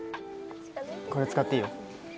これ使っていいよ